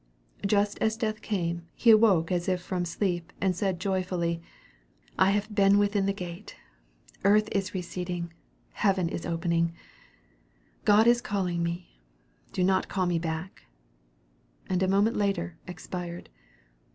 Just as death came he awoke as if from sleep and said joyfully, "I have been within the gate; earth is receding; heaven is opening; God is calling me; do not call me back," and a moment later expired.